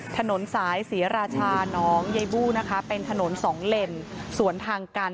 ถนนสายศรีราชาน้องใยบู้นะคะเป็นถนนสองเลนสวนทางกัน